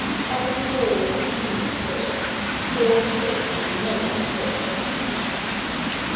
" I will go and see, sir. There was certainly no one there just now."